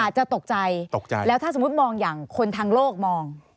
จะตกใจตกใจแล้วถ้าสมมุติมองอย่างคนทางโลกมอง